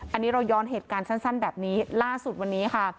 อันนี้เราย้อนเหตุการณ์สั้นแบบนี้ล่าสุดวันนี้ค่ะ